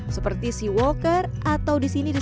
seperti sea walker atau disini disini